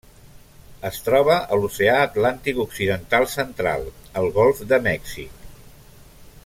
Es troba a l'Oceà Atlàntic occidental central: el Golf de Mèxic.